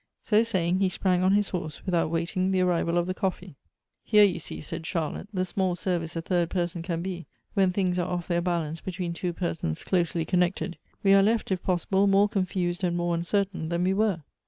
So saying, he sprang on his horse, without waiting the arrival of the coffee. r ■'" Here you see," said Charlotte, " the small service a I third person can be, when things are off their balance between two persons closely connected ; we are left, if pos [jible, more confused and more uncertain than we were."